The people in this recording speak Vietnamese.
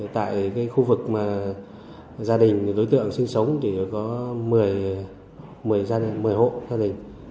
tại cái khu vực mà gia đình đối tượng sinh sống thì có một mươi gia đình một mươi hộ gia đình